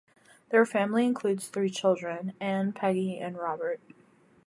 Their family includes three children, Anne, Peggy, and Robert.